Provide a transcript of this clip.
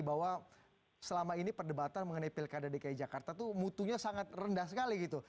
bahwa selama ini perdebatan mengenai pilkada dki jakarta itu mutunya sangat rendah sekali gitu